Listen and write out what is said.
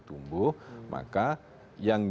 tumbuh maka yang